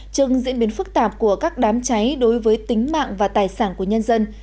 trừng diễn biến phức tạp của các đám cháy đối với tính mạng và tài sản của nhân dân